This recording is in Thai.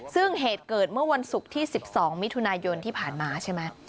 ซึ่งเหตุเกิดเมื่อวันศุกร์ที่๑๒มิถุนายนที่ผ่านมาใช่ไหม